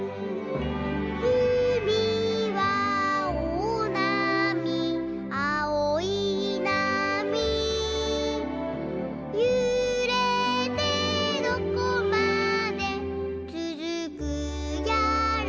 「うみはおおなみあおいなみ」「ゆれてどこまでつづくやら」